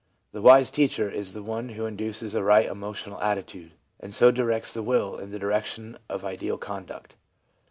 The wise teacher is the one who induces a right emotional attitude, and so directs the will in the direction of ideal conduct.